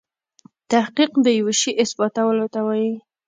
تحقیق دیوه شي اثباتولو ته وايي.